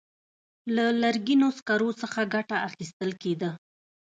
له لرګینو سکرو څخه ګټه اخیستل کېده.